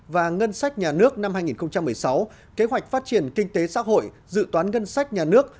và ngân sách nhà nước năm hai nghìn một mươi sáu kế hoạch phát triển kinh tế xã hội dự toán ngân sách nhà nước